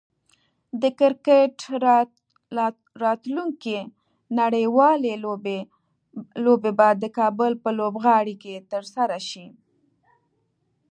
د کرکټ راتلونکی نړیوالې لوبې به د کابل په لوبغالي کې ترسره شي